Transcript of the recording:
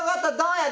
やで。